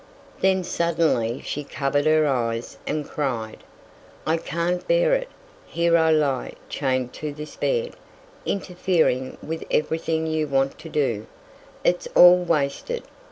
Then suddenly she covered her eyes and cried, "I can't bear it! Here I lie chained to this bed, interfering with everything you want to do. It's all wasted!